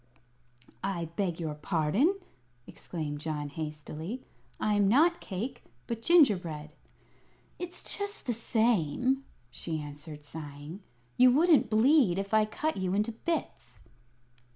"I beg your pardon," exclaimed John, hastily. "I am not cake, but gingerbread." "It's just the same," she answered, sighing; "you wouldn't bleed if I cut you into bits."